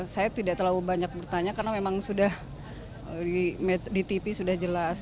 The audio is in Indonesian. saya tidak terlalu banyak bertanya karena memang sudah di tv sudah jelas